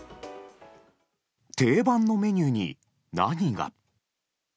定番のメニューに、何が。